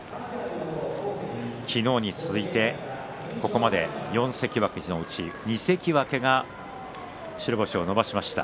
昨日に続いて、ここまで４関脇のうち２関脇が白星を伸ばしました。